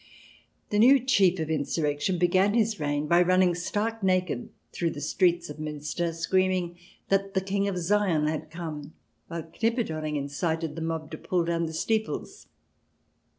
The new chief of insurrection began his reign by running stark naked about the streets of Miinster, 254 THE DESIRABLE ALIEN [ch. xviii screaming that the King of Zion had come, while Knipperdolling incited the mob to pull down the steeples.